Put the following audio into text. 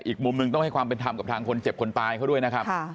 อีกมุมหนึ่งต้องให้ความเป็นธรรมกับทางคนเจ็บคนตายเขาด้วยนะครับ